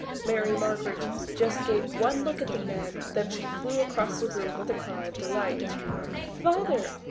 Mary Margaret just gave one look at the man. Then she flew across the room with a cry of delight. "Father!"